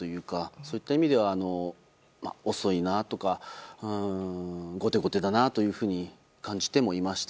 そういった意味では遅いなとか後手後手だなというふうに感じてもいました。